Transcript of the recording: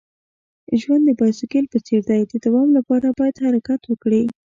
ژوند د بایسکل په څیر دی. د دوام لپاره باید حرکت وکړې.